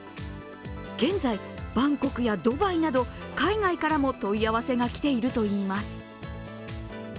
現在、バンコクやドバイなど海外からも問い合わせが来ているといいます。